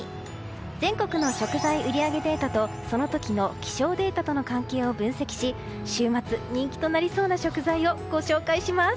全国の食材売り上げデータとその時の気象データとの関係を分析し週末、人気となりそうな食材をご紹介します。